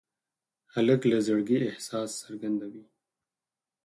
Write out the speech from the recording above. هلک له زړګي احساس څرګندوي.